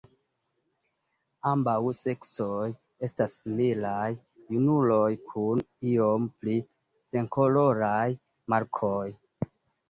Ambaŭ seksoj estas similaj; junuloj kun iom pli senkoloraj markoj.